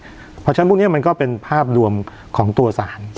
เพราะฉะนั้นพวกนี้มันก็เป็นภาพรวมของตัวสาร